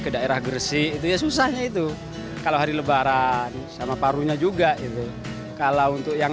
ke daerah gresik itu ya susahnya itu kalau hari lebaran sama parunya juga itu kalau untuk yang